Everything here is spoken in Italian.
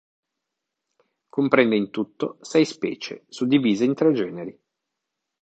Comprende in tutto sei specie, suddivise in tre generi.